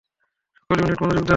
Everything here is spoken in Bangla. সকল ইউনিট, মনযোগ দাও।